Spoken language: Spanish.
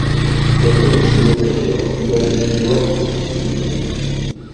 Fue producido por Leon Youngblood Jr.